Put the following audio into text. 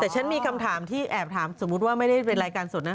แต่ฉันมีคำถามที่แอบถามสมมุติว่าไม่ได้เป็นรายการสดนั้น